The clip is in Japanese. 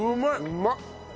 うまっ！